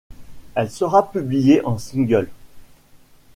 Elle sera publiée en single.